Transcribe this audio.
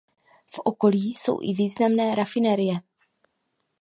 V okolí jsou i významné rafinerie.